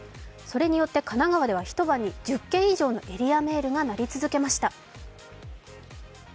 それによって神奈川では一晩に１０件以上のエリアメールが鳴り続けました。